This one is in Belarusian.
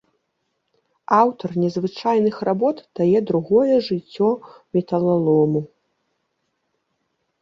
Аўтар незвычайных работ дае другое жыццё металалому.